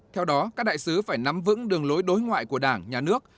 theo đó các đại sứ phải nắm vững đường lối đối ngoại của đảng nhà nước